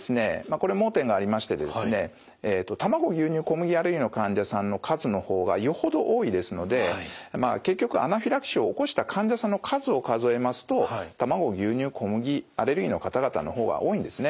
これ盲点がありまして卵牛乳小麦アレルギーの患者さんの数の方がよほど多いですので結局アナフィラキシーを起こした患者さんの数を数えますと卵牛乳小麦アレルギーの方々の方が多いんですね。